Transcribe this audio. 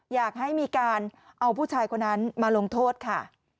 อยากให้มีการเอาผู้ชายคนนั้นมาลงโทษค่ะ